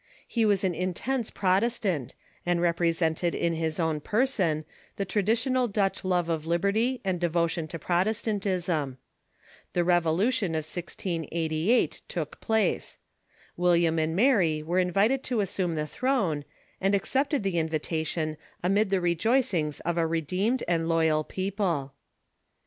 He was an intense Protestant, and represented in his own person the traditional Dutch love of liberty and devotion to Protestantism. The revolution of 1688 took place. William and Mary were in ENGLISH DEISM 307 vited to assume the throne, and accepted the invitation amid the rejoicings of a redeemed and loyal people.